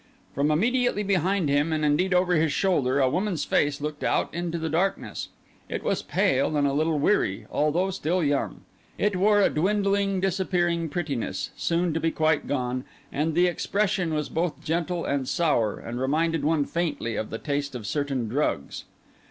From immediately behind him, and indeed over his shoulder, a woman's face looked out into the darkness; it was pale and a little weary, although still young; it wore a dwindling, disappearing prettiness, soon to be quite gone, and the expression was both gentle and sour, and reminded one faintly of the taste of certain drugs.